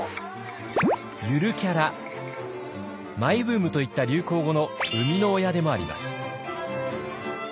「ゆるキャラ」「マイブーム」といった流行語の生みの親でもあります。